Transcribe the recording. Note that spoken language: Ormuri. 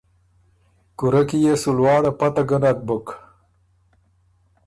کُورۀ کی يې سو لواړه پته ګۀ نک بُک۔